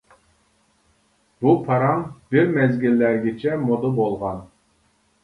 بۇ پاراڭ بىر مەزگىللەرگىچە مودا بولغان.